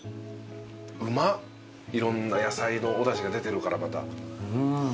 うまっいろんな野菜のおだしが出てるからまた。